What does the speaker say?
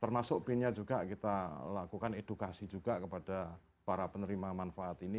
termasuk bin nya juga kita lakukan edukasi juga kepada para penerima manfaat ini